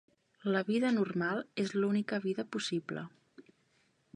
La vida normal és l'única vida possible.